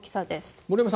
森山さん